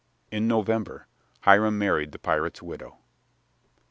In November Hiram married the pirate's widow.